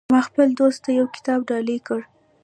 ما خپل دوست ته یو کتاب ډالۍ کړو